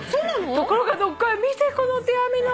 ところがどっこい見てこの手編みの。